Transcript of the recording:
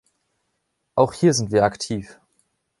Auch hier sind wir aktiv.